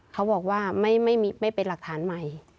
เขาบอกว่าไม่เป็นหลักฐานใหม่